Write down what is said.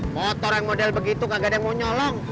motor yang model begitu gak ada yang mau nyolong